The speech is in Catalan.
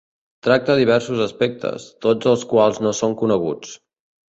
Tracta diversos aspectes, tots els quals no són coneguts.